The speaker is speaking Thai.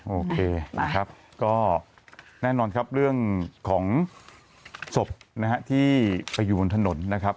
โอเคนะครับก็แน่นอนครับเรื่องของศพนะฮะที่ไปอยู่บนถนนนะครับ